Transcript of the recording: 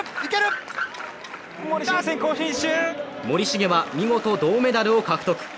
森重は見事、銅メダルを獲得。